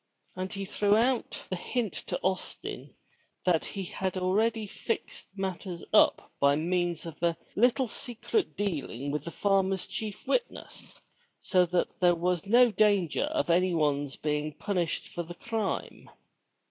And he threw out the hint to Austin that he had already fixed matters up by means of a little secret dealing with the farmer's chief witness, so that there was no danger of anyone's being punished for the crime.